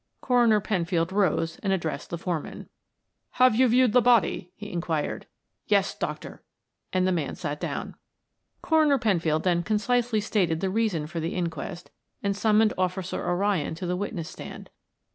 Coroner Penfield rose and addressed the foreman. "Have you viewed the body?" he inquired. "Yes, doctor," and the man sat down. Coroner Penfield then concisely stated the reason for the inquest and summoned Officer O'Ryan to the witness stand.